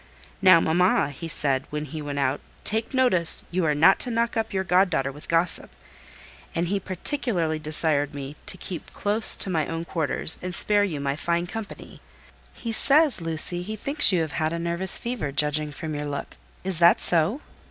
'Now, mamma,' he said, when he went out, 'take notice, you are not to knock up your god daughter with gossip,' and he particularly desired me to keep close to my own quarters, and spare you my fine company. He says, Lucy, he thinks you have had a nervous fever, judging from your look,—is that so?"